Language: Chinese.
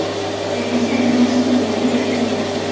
元宪宗四年内附。